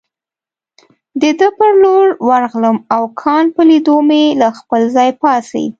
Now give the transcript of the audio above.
د ده پر لور ورغلم او کانت په لیدو مې له خپل ځای پاڅېد.